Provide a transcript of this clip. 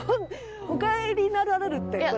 お帰りになられるってこれ。